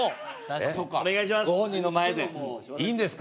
お願いします。